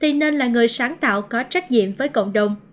thì nên là người sáng tạo có trách nhiệm với cộng đồng